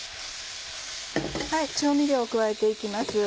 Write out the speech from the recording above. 調味料を加えて行きます。